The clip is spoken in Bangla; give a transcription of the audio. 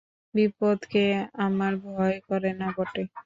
বিপদকে আমার ভয় করে না বটে।